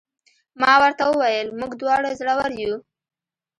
ما ورته وویل: موږ دواړه زړور یو.